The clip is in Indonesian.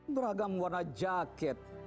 beragam warna jaket